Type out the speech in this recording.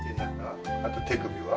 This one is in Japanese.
あと手首は？